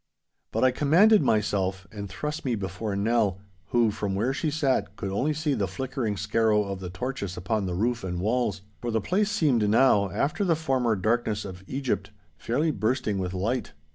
But I commanded myself, and thrust me before Nell, who from where she sat could only see the flickering skarrow of the torches upon the roof and walls—for the place seemed now, after the former darkness of Egypt, fairly bursting with light.